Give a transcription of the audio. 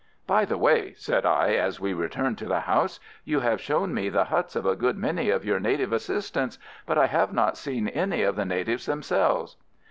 "By the way," said I, as we returned to the house, "you have shown me the huts of a good many of your native assistants, but I have not seen any of the natives themselves."